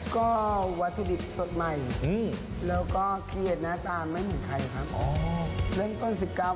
ก็วัสดิศสดใหม่แล้วก็เครียดหน้าตาไม่เหมือนใครครับแล้วก็๑๙บาทครับ